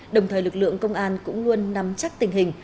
đồng thời lực lượng công an cũng luôn nắm chắc tình hình